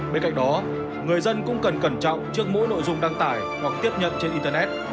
bên cạnh đó người dân cũng cần cẩn trọng trước mỗi nội dung đăng tải hoặc tiếp nhận trên internet